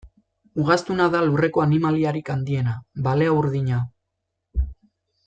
Ugaztuna da lurreko animaliarik handiena, balea urdina.